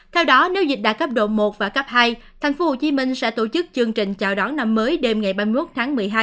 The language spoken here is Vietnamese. theo đó nếu dịch đạt cấp độ một và cấp hai tp hcm sẽ tổ chức chương trình chào đón năm mới đêm ngày ba mươi một tháng một mươi hai